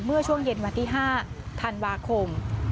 เมื่อช่วงเย็นวันที่๕ธันวาคม